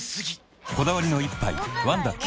こだわりの一杯「ワンダ極」